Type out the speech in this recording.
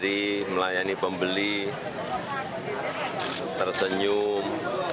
ini pembeli tersenyum